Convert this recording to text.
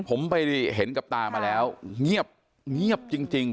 ผมไปเห็นกับตามาแล้วเงียบเงียบจริงจริง